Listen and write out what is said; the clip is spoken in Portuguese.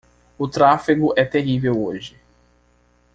O tráfego é terrível hoje.